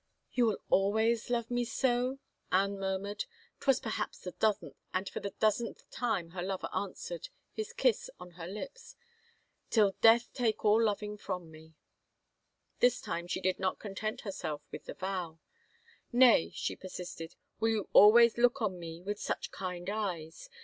" You will always love me so ?" Anne murmured — 'twas perhaps the dozenth time — and for the dozenth time her lover answered, his kiss on her lips, " Till death take all loving from me." 159 THE FAVOR OF KINGS This time she did not content herself with the vow. " Nay," she persisted, " will you always look on me with such kind eyes?